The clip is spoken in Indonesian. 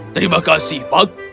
terima kasih puck